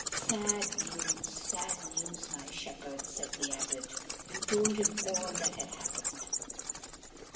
"Sad news, sad news, my shepherd," said the Abbot, and told him all that had happened.